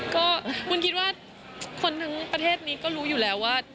ก็วุ้นคิดว่าคนทั้งประเทศนี้ก็รู้อยู่แล้วว่า